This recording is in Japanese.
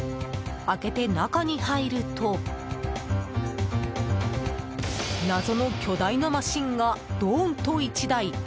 開けて中に入ると謎の巨大なマシンがドーンと１台。